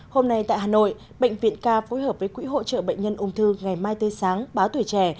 hôm nay tại hà nội bệnh viện ca phối hợp với quỹ hỗ trợ bệnh nhân ung thư ngày mai tươi sáng báo tuổi trẻ